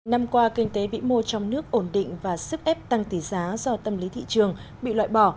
năm qua kinh tế vĩ mô trong nước ổn định và sức ép tăng tỷ giá do tâm lý thị trường bị loại bỏ